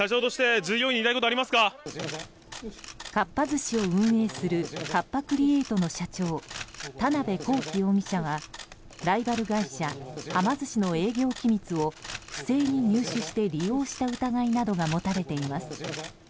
かっぱ寿司を運営するカッパ・クリエイトの社長田邊公己容疑者はライバル会社、はま寿司の営業機密を、不正に入手して利用した疑いなどが持たれています。